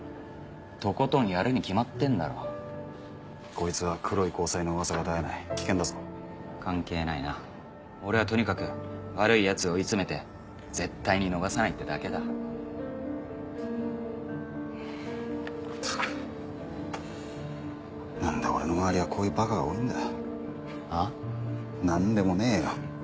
とことんやるに決まってんだろこいつは黒い交際の噂が絶えない俺はとにかく悪いヤツを追い詰めて絶対に逃さないってだけだったく何で俺の周りはこういうバカが多いんだ